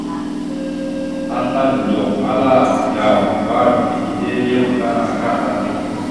Asla ndzoh, ala: « Yaw, bbarav ge dede ya abakana akadda. ».